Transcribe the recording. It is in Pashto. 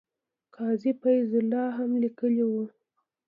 قاضي فیض الله هم لیکلي وو.